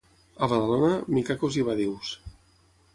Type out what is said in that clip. A Badalona, micacos i badius.